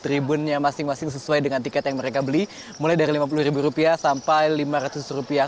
tribunnya masing masing sesuai dengan tiket yang mereka beli mulai dari lima puluh rupiah sampai lima ratus rupiah